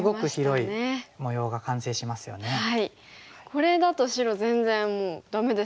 これだと白全然もうダメですよね。